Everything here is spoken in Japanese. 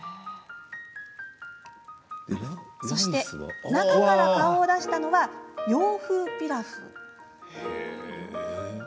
そして、中から顔を出したのは洋風ピラフ。